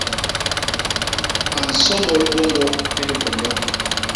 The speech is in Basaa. A nsômôl bôñgô i lipondo.